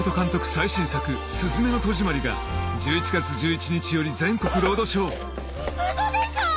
最新作『すずめの戸締まり』が１１月１１日より全国ロードショー嘘でしょ！？